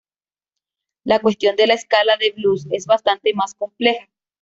La cuestión de la escala de blues es bastante más compleja.